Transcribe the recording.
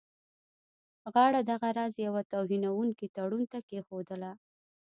غاړه دغه راز یوه توهینونکي تړون ته کښېښودله.